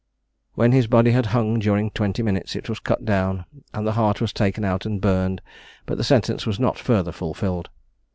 When his body had hung during twenty minutes it was cut down, and the heart was taken out and burned, but the sentence was not further fulfilled.